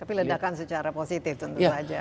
tapi ledakan secara positif tentu saja